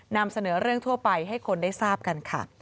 นำเสนอเรื่องทั่วไปให้คนได้ทราบกันค่ะ